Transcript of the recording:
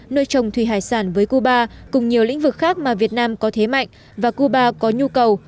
nuôi trồng thủy hải sản với cuba cùng nhiều lĩnh vực khác mà việt nam có thế mạnh và cuba có nhu cầu